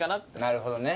なるほどね。